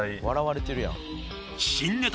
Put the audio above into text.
笑われてるやん。